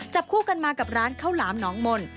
จับคู่กันมากับร้านข้าวหลามหนองมนต์